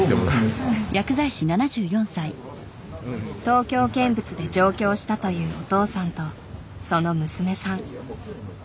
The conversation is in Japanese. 東京見物で上京したというお父さんとその娘さん。